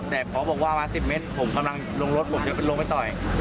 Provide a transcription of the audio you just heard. แต่พอบอกว่ามา๑๐เมตรผมกำลังลงรถผมจะไปลงไปต่อย